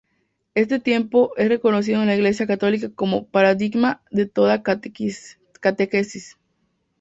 Este tiempo es reconocido en la Iglesia Católica como paradigma de toda catequesis.